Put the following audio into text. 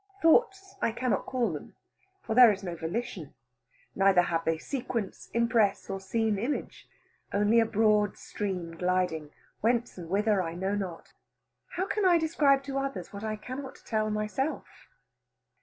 Thoughts I cannot call them, for there is no volition, neither have they sequence, impress, or seen image: only a broad stream gliding, whence and whither I know not. How can I describe to others what I cannot tell myself?